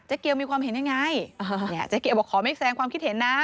เกียวมีความเห็นยังไงเจ๊เกียวบอกขอไม่แสดงความคิดเห็นนะ